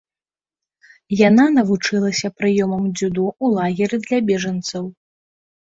Яна навучылася прыёмам дзюдо ў лагеры для бежанцаў.